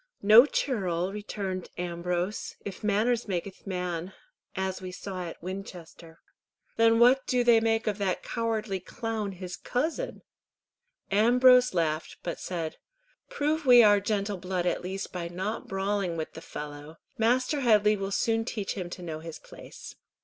"No churl," returned Ambrose, "if manners makyth man, as we saw at Winchester." "Then what do they make of that cowardly clown, his cousin?" Ambrose laughed, but said, "Prove we our gentle blood at least by not brawling with the fellow. Master Headley will soon teach him to know his place."